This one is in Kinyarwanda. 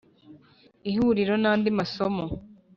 ihuriro n’andi masomo :